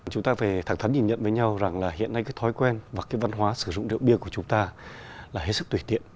chúng ta phải thẳng thắn nhìn nhận với nhau rằng là hiện nay cái thói quen và cái văn hóa sử dụng rượu bia của chúng ta là hết sức tùy tiện